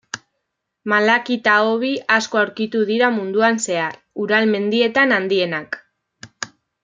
Malakita-hobi asko aurkitu dira munduan zehar, Ural mendietan handienak.